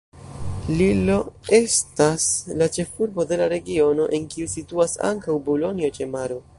Lillo estas la ĉefurbo de la regiono, en kiu situas ankaŭ Bulonjo-ĉe-Maro.